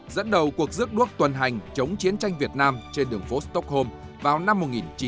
dẫn đầu cuộc dước đuốc tuần hành chống chiến tranh việt nam trên đường phố stockholm vào năm một nghìn chín trăm sáu mươi tám